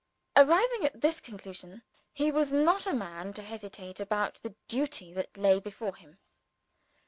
Arriving at this conclusion, he was not a man to hesitate about the duty that lay before him.